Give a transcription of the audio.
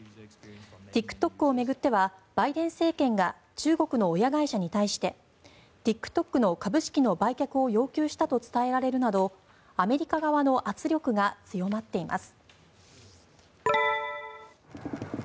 ＴｉｋＴｏｋを巡ってはバイデン政権が中国の親会社に対してＴｉｋＴｏｋの株式の売却を要求したと伝えられるなどアメリカ側の圧力が強まっています。